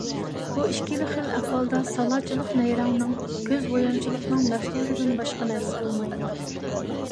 بۇ ئىككىلى خىل ئەھۋالدا سالاچىلىق نەيرەڭنىڭ، كۆز بويامچىلىقنىڭ مەھسۇلىدىن باشقا نەرسە بولمايدۇ.